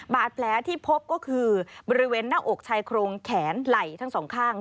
บาดแผลที่พบก็คือบริเวณหน้าอกชายโครงแขนไหล่ทั้งสองข้าง